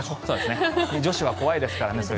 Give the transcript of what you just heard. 女子は怖いですからね。